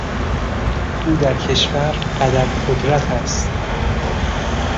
او در کشور قدر قدرت است.